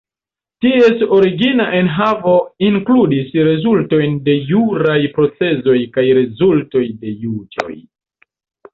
Ties origina enhavo inkludis rezultojn de juraj procesoj kaj rezultoj de juĝoj.